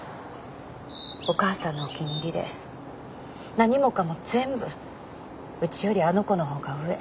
お母さんのお気に入りで何もかも全部うちよりあの子の方が上。